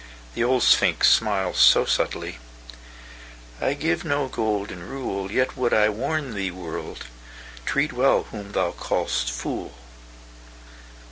The old Sphinx smiles so subtly:"I give no golden rule,—Yet would I warn thee, World: treat wellWhom thou call'st fool."